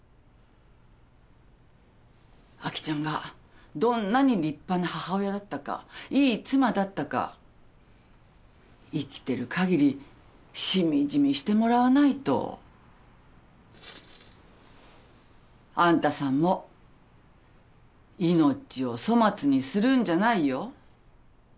アキちゃんがどんなに立派な母親だったかいい妻だったか生きてる限りしみじみしてもらわないと。あんたさんも命を粗末にするんじゃないよ。